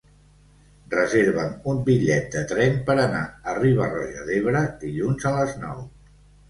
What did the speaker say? Reserva'm un bitllet de tren per anar a Riba-roja d'Ebre dilluns a les nou.